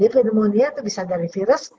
pneumonia itu bisa dari virus